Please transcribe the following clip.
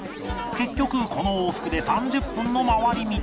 結局この往復で３０分の回り道